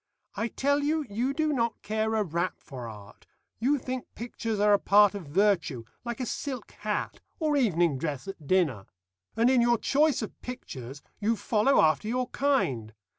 I tell you, you do not care a rap for art. You think pictures are a part of virtue, like a silk hat or evening dress at dinner. And in your choice of pictures you follow after your kind.